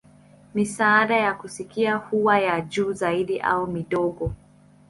Misaada ya kusikia huwa ya juu zaidi au midogo.